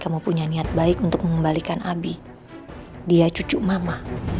kamu yang bawa kabur abi